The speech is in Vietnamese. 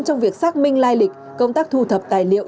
trong việc xác minh lai lịch công tác thu thập tài liệu